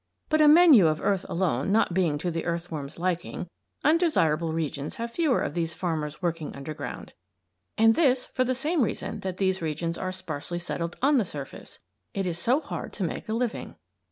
But a menu of earth alone not being to the earthworm's liking, undesirable regions have fewer of these farmers working underground; and this, for the same reason that these regions are sparsely settled on the surface it is so hard to make a living.